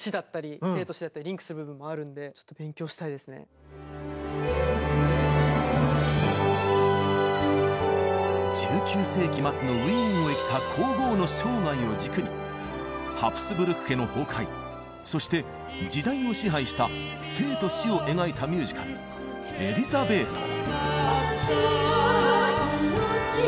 マーラーだけでなく１９世紀末のウィーンを生きた皇后の生涯を軸にハプスブルク家の崩壊そして時代を支配した「生と死」を描いたミュージカル「エリザベート」。